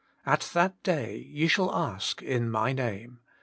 At that day ye shall ask in My Name."